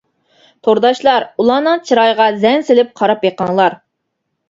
تورداشلار ئۇلارنىڭ چىرايىغا زەن سېلىپ قاراپ بېقىڭلار.